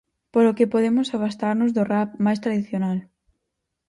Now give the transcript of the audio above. Polo que podemos afastarnos do rap máis tradicional.